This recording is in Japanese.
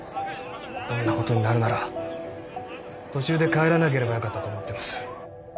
あんな事になるなら途中で帰らなければよかったと思っています。